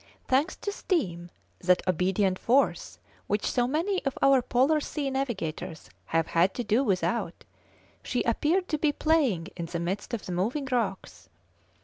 Thanks to steam, that obedient force which so many of our Polar sea navigators have had to do without, she appeared to be playing in the midst of the moving rocks.